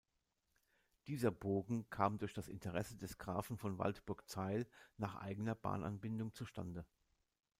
Dieser Bogen kam durch das Interesse des Grafen von Waldburg-Zeil nach eigener Bahnanbindung zustande.